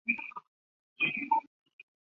参拜者也多为女性。